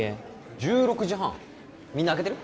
１６時半みんな空けてる？